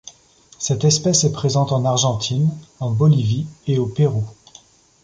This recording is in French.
Cette espèce est présente en Argentine, en Bolivie et au Pérou.